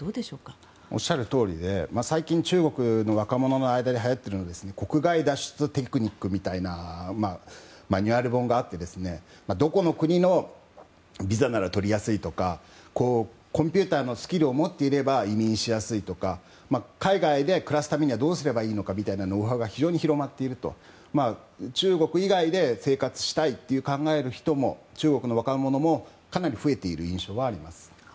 おっしゃるとおりで最近、中国の若者の間ではやっているのが国外脱出テクニックみたいなマニュアル本があってどこの国のビザならとりやすいとかコンピューターのスキルを持っていれば移民しやすいとか海外で暮らすためにはどうすればいいのかというノウハウが非常に広まっていると中国以外で生活したいと考える若者もかなり増えている印象はあります。